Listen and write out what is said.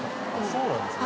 そうなんですね？